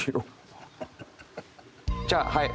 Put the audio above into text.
じゃあはい。